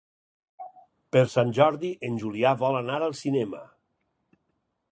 Per Sant Jordi en Julià vol anar al cinema.